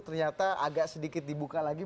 ternyata agak sedikit dibuka lagi